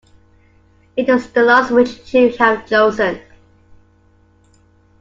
It was the last which she would have chosen.